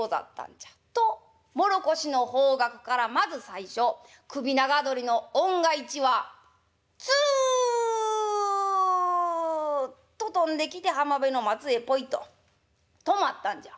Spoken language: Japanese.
と唐土の方角からまず最初首長鳥の雄が一羽つっと飛んできて浜辺の松へポイと止まったんじゃ」。